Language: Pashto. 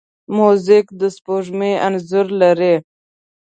موزیک د سپوږمۍ انځور لري.